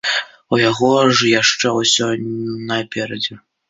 У яго ж яшчэ ўсё наперадзе.